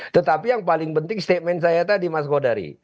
tetapi yang paling penting statement saya tadi mas kodari